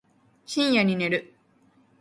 深夜に寝る